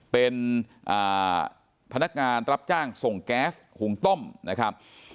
เป็นพนักงานรับจ้างส่งแก๊สหุงต้มนะครับ